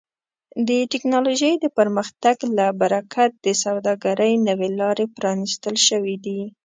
د ټکنالوژۍ د پرمختګ له برکت د سوداګرۍ نوې لارې پرانیستل شوي دي.